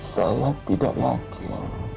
saya tidak yakin